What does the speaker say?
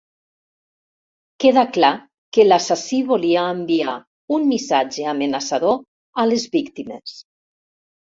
Queda clar que l'assassí volia enviar un missatge amenaçador a les víctimes.